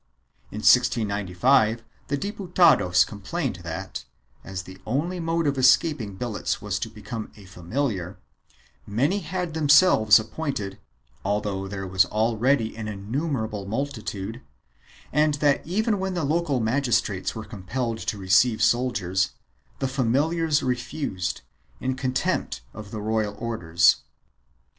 In 1695 the Diputados complained that, as the only mode of escaping billets was to become a familiar, many had themselves appointed, although there was already an innumerable multitude, and that even when the local magistrates were compelled to receive soldiers, the familiars refused, in contempt of the royal orders.